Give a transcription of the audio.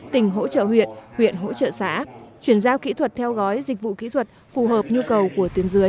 tỉnh hỗ trợ huyện huyện hỗ trợ xã chuyển giao kỹ thuật theo gói dịch vụ kỹ thuật phù hợp nhu cầu của tuyến dưới